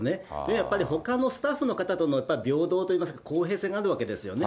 やっぱりほかのスタッフの方とのやっぱり平等といいますか、公平性があるわけですよね。